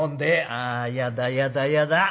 「あやだやだやだ。